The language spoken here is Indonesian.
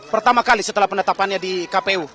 pertama kali setelah penetapannya di kpu